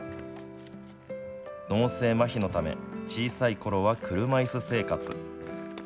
脳性まひのため小さいころは車いす生活。